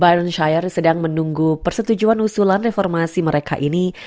byron shire sedang menunggu persetujuan usulan reformasi mereka ini